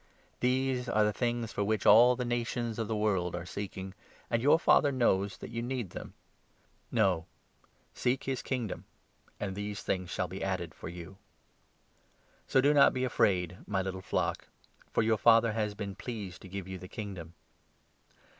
These are the 30 things for which all the nations of the world are seeking, and your Father knows that you need them. No, seek his Kingdom, 31 and these things shall be added for you. So do not be afraid, 32 my little flock, for your Father has been pleased to give you the Kingdom.